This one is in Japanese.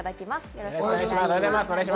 よろしくお願いします。